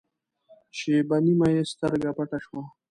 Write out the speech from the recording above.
شېبه نیمه یې سترګه پټه شوه.